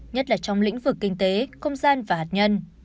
nhất là trong lĩnh vực kinh tế không gian và hạt nhân